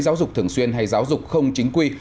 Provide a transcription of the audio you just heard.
giáo dục thường xuyên hay giáo dục không chính quy